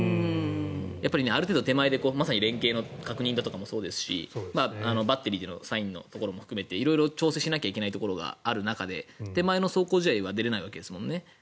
やっぱりある程度手前で連係の確認とかもそうですしバッテリーでのサインのところも含めて色々調整しないといけないところがある中で手前の壮行試合は出れないわけですもんね。